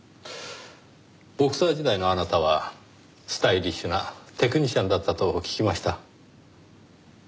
ボクサー時代のあなたはスタイリッシュなテクニシャンだったと聞きました。